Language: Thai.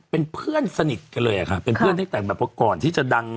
เป็นเพื่อนสนิทเป็นเพื่อนแบบก่อนที่จะดัง